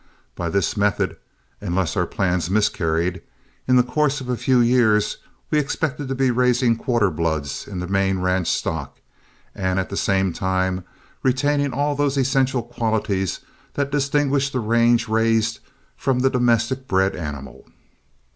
By this method, unless our plans miscarried, in the course of a few years we expected to be raising quarter bloods in the main ranch stock, and at the same time retaining all those essential qualities that distinguish the range raised from the domestic bred animal.